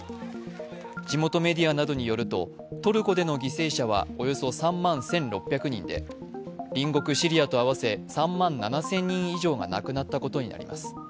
地元メディアなどによると、トルコでの犠牲者はおよそ３万１６００人で隣国・シリアと合わせ３万７０００人以上が亡くなったことになります。